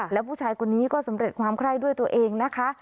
แล้วผู้ชายคนนี้ก็สำเร็จความไคร้ด้วยตัวเองนะคะ